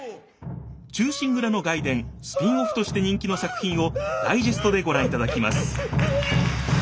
「忠臣蔵」の外伝スピンオフとして人気の作品をダイジェストでご覧いただきます。